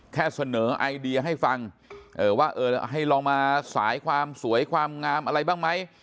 แค่เสนอไอเดียให้ฟังว่าเออให้ลองมาสายความสวยความงามอะไรบ้างไหม